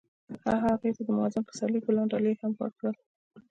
هغه هغې ته د موزون پسرلی ګلان ډالۍ هم کړل.